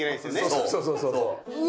そうそうそうそう。